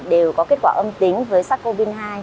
đều có kết quả âm tính với sars cov hai